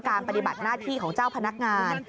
ปฏิบัติหน้าที่ของเจ้าพนักงาน